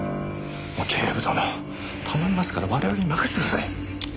もう警部殿頼みますから我々に任せてください！